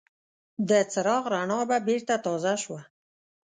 د څراغ رڼا به بېرته تازه شوه.